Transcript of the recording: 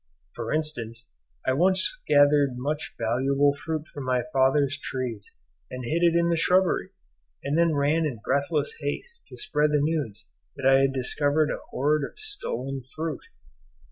For instance, I once gathered much valuable fruit from my father's trees and hid it in the shrubbery, and then ran in breathless haste to spread the news that I had discovered a hoard of stolen fruit.